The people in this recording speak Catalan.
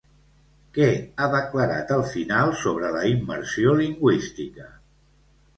Què ha declarat al final sobre la immersió lingüística?